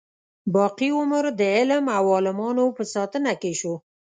باقي عمر د علم او عالمانو په ساتنه کې شو.